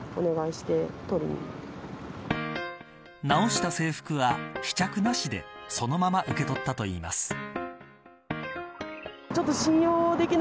直した制服は試着なしでそのまま受け取ったといいます。